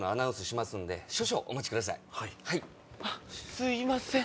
すいません。